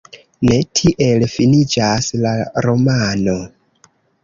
Ne tiel finiĝas la romano.